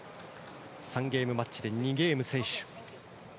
３ゲームマッチで２ゲーム先取。